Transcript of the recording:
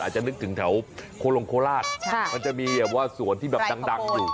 จะนึกถึงแถวโคลงโคราชมันจะมีแบบว่าสวนที่แบบดังอยู่